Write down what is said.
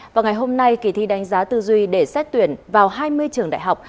và ngày hôm nay kỳ thi đánh giá tư duy để xét tuyển vào hai mươi trường đại học